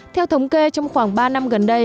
theo thống kê trong khoảng ba năm gần đây